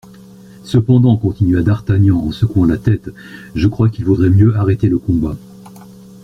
Cependant, continua d'Artagnan en secouant la tête, je crois qu'il vaudrait mieux arrêter le combat.